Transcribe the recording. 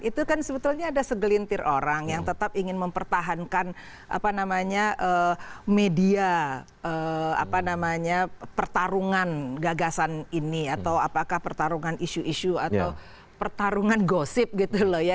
itu kan sebetulnya ada segelintir orang yang tetap ingin mempertahankan media pertarungan gagasan ini atau apakah pertarungan isu isu atau pertarungan gosip gitu loh ya